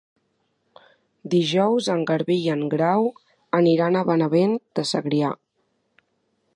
Dijous en Garbí i en Grau aniran a Benavent de Segrià.